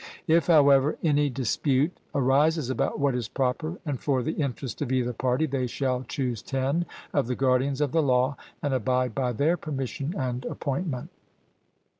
If, however, any dispute arises about what is proper and for the interest of either party, they shall choose ten of the guardians of the law and abide by their permission and appointment.